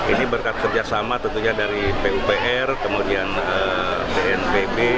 ini berkat kerjasama tentunya dari pupr kemudian bnpb